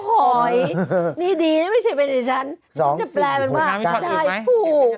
โอ๊ยนี่ดีนี่ไม่ใช่เป็นใดชั้นก็จะแปลมากไข่ขุ